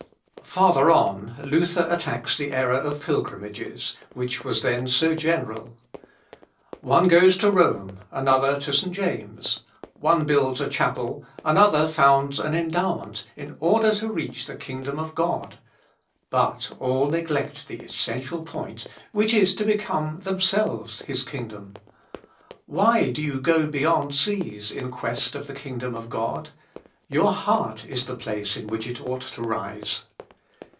Farther on, Luther attacks the error of pilgrimages, which was then so general. "One goes to Rome, another to St. James; one builds a chapel, another founds an endowment, in order to reach the kingdom of God; but all neglect the essential point, which is to become themselves his kingdom. Why do you go beyond seas in quest of the kingdom of God?... Your heart is the place in which it ought to rise.